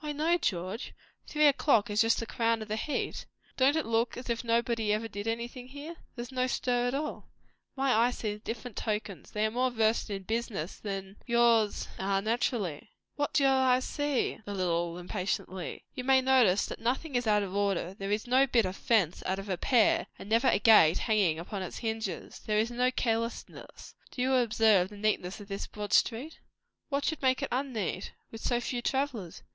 "Why, no, George! Three o'clock is just the crown of the heat. Don't it look as if nobody ever did anything here? There's no stir at all." "My eyes see different tokens; they are more versed in business than yours are naturally." "What do your eyes see?" a little impatiently. "You may notice that nothing is out of order. There is no bit of fence out of repair; and never a gate hanging upon its hinges. There is no carelessness. Do you observe the neatness of this broad street?" "What should make it unneat? with so few travellers?"